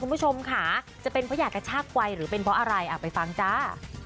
คุณผู้ชมค่ะจะเป็นเพราะอยากกระชากไวหรือเป็นเพราะอะไรไปฟังจ้า